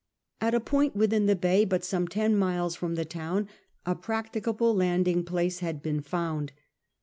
At a point within the bay, but some ten miles from the town, a practicable landing place had been found.